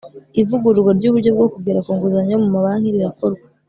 ivugururwa ry'uburyo bwo kugera ku nguzanyo mu mabanki rirakorwa.